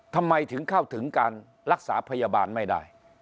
ทำไมถึงเข้าถึงการรักษาพยาบาลไม่ได้